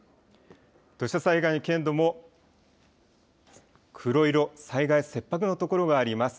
土砂災害の危険度も黒色、災害切迫の所があります。